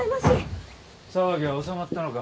騒ぎは収まったのか？